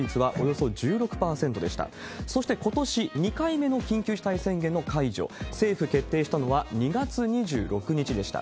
そしてことし、２回目の緊急事態宣言の解除、政府決定したのは２月２６日でした。